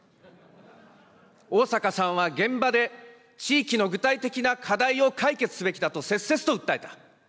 逢坂さんは現場で地域の具体的な課題を解決すべきだと、切々と訴えた。